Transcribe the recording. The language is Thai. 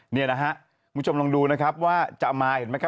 เนี่ยนะฮะมุชมลองดูนะครับว่าจะมาเห็นไหมครับ